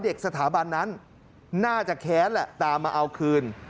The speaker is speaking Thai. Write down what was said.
สถาบันนั้นน่าจะแค้นแหละตามมาเอาคืน